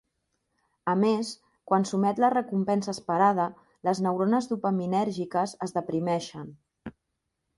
A més, quan s'omet la recompensa esperada les neurones dopaminèrgiques es deprimeixen.